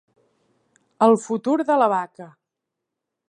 El futur de la vaca.